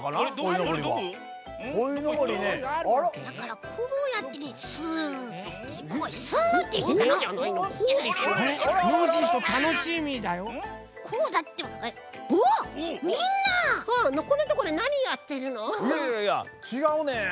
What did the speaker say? いやいやいやちがうねん。